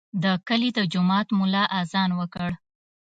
د کلي د جومات ملا اذان وکړ.